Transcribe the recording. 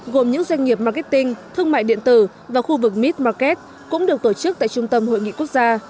gồm những doanh nghiệp marketing thương mại điện tử và khu vực mid market cũng được tổ chức tại trung tâm hội nghị quốc gia